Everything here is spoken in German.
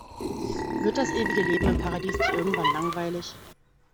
Wird das ewige Leben im Paradies nicht irgendwann langweilig?